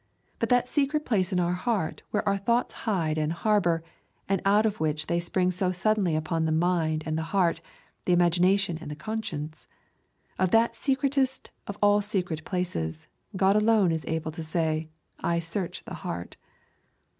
But that secret place in our heart where our thoughts hide and harbour, and out of which they spring so suddenly upon the mind and the heart, the imagination and the conscience, of that secretest of all secret places, God alone is able to say, I search the heart.